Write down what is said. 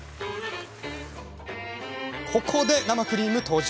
ここで生クリーム登場。